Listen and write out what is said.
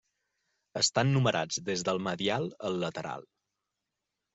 Estan numerats des del medial al lateral.